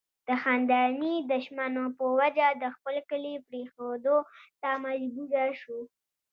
د خانداني دشمنو پۀ وجه د خپل کلي پريښودو ته مجبوره شو